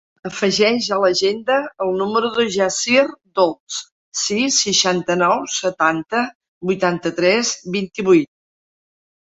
Afegeix a l'agenda el número del Yassir Dols: sis, seixanta-nou, setanta, vuitanta-tres, vint-i-vuit.